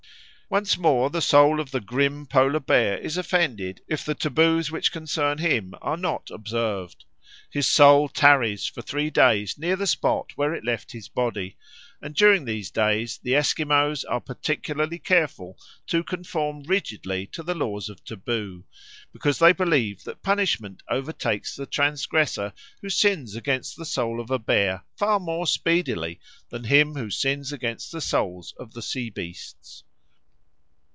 Once more the soul of the grim polar bear is offended if the taboos which concern him are not observed. His soul tarries for three days near the spot where it left his body, and during these days the Esquimaux are particularly careful to conform rigidly to the laws of taboo, because they believe that punishment overtakes the transgressor who sins against the soul of a bear far more speedily than him who sins against the souls of the sea beasts.